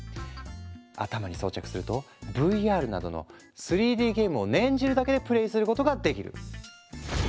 頭に装着するとＶＲなどの３Ｄゲームを念じるだけでプレイすることができる。